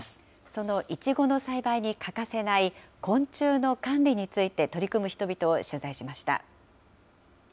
そのいちごの栽培に欠かせない昆虫の管理について取り組む人々を取材しました。